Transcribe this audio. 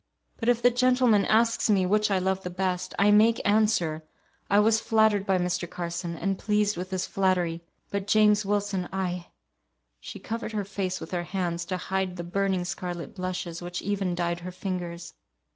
"But, if the gentleman asks me which I loved the best, I make answer, I was flattered by Mr. Carson, and pleased with his flattery; but James Wilson I " She covered her face with her hands, to hide the burning scarlet blushes, which even dyed her fingers.